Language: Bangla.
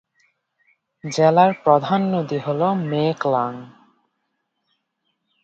জেলার প্রধান নদী হল মে ক্লাং।